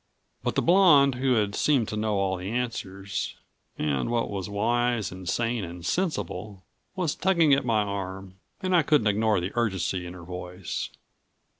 But the blonde who seemed to know all the answers and what was wise and sane and sensible was tugging at my arm and I couldn't ignore the urgency in her voice.